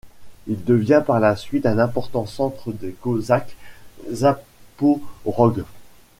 Il devient par la suite un important centre des Cosaques Zaporogues.